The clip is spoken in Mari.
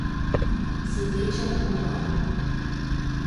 Свидечыл улам.